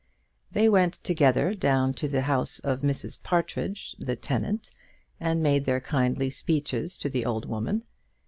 They went together down to the house of Mrs. Partridge, the tenant, and made their kindly speeches to the old woman.